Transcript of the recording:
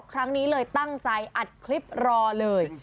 ครั้งนี้เลยตั้งใจอัดคลิปรอเลย